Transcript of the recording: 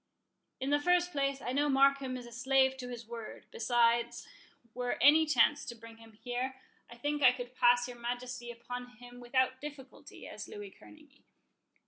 "In the first place, I know Markham is a slave to his word: besides, were any chance to bring him here, I think I could pass your Majesty upon him without difficulty, as Louis Kerneguy.